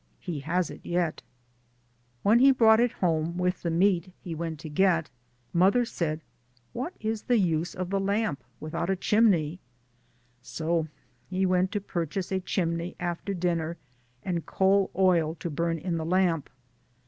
(He has it yet.) When he brought it home, with the meat he went to get, mother said : "What is the use of the lamp without the chimney?" So he went to purchase a chimney after dinner and coal oil to burn in the lamp.